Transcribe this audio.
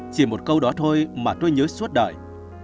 chỉ một câu đó thôi mà tôi nhớ suốt đời